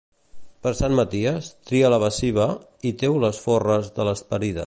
Per Sant Maties, tria la baciva i teu les forres de les parides.